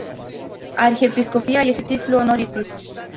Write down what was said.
Arhiepiscopia este titlul onorific.